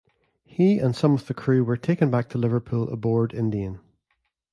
He and some of the crew were taken back to Liverpool aboard Indian.